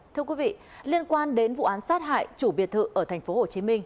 thưa quý vị liên quan đến vụ án sát hại chủ biệt thự ở tp hcm